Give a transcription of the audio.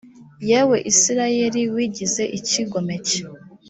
yewe isirayeli wigize icyigomeke